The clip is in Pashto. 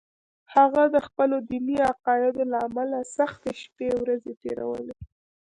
هغه د خپلو دیني عقایدو له امله سختې شپې ورځې تېرولې